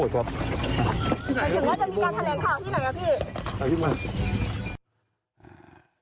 พี่ป